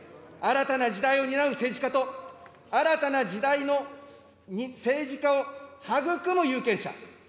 新たな時代を担う政治家と、新たな時代の政治家を育む有権者。